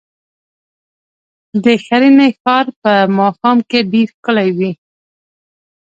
د ښرنې ښار په ماښام کې ډېر ښکلی وي.